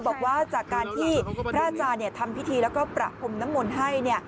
บอกว่าจากการที่พระอาจารย์ทำพิธีแล้วก็ประพรมน้ำมนต์ให้